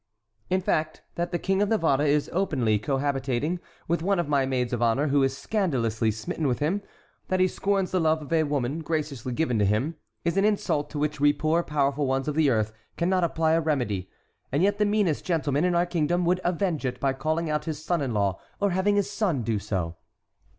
"In fact, that the King of Navarre is openly cohabiting one of my maids of honor who is scandalously smitten with him, that he scorns the love of the woman graciously given to him, is an insult to which we poor powerful ones of the earth cannot apply a remedy, and yet the meanest gentleman in our kingdom would avenge it by calling out his son in law or having his son do so."